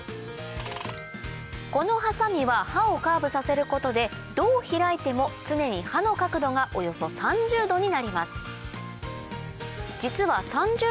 このハサミは刃をカーブさせることでどう開いても常に刃の角度がおよそ３０度になります